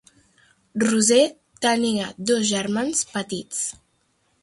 Roser tenia dos germans petits: